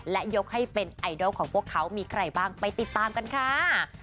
และยกให้เป็นไอดอลของพวกเขามีใครบ้างไปติดตามกันค่ะ